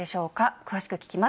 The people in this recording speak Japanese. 詳しく聞きます。